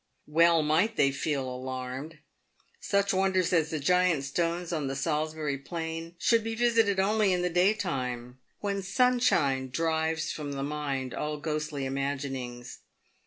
"Well might they feel alarmed. Such wonders as the giant stones the on Salisbury Plain should be visited only in the day time, when sunshine drives from the mind all ghostly imaginings.